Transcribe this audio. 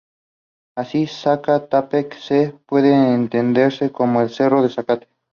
Así, "Zaca-tēpe-c" puede entenderse como "en el cerro del zacate".